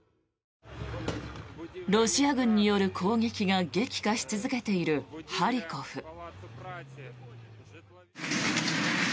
ロシア軍による攻撃が激化し続けているハリコフ。